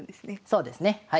そうですね。